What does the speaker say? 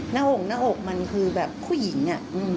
หน้าอกมันคือแบบผู้หญิง